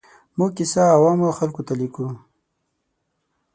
موږ کیسه عوامو خلکو ته لیکو.